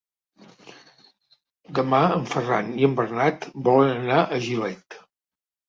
Demà en Ferran i en Bernat volen anar a Gilet.